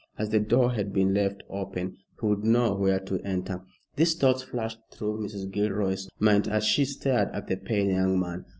As the door had been left open he would know where to enter. These thoughts flashed through Mrs. Gilroy's mind as she stared at the pale young man.